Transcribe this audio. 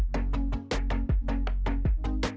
kepala penelitian bintang bintang